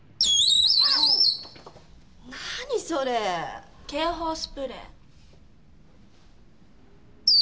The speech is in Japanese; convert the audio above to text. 何それ⁉警報スプレー。